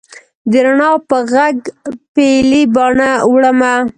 د رڼا په ږغ پیلې باڼه وړمه